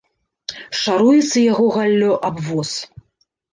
Шаруецца яго галлё аб воз.